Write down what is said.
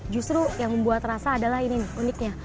justru yang membuat rasa adalah ini nih uniknya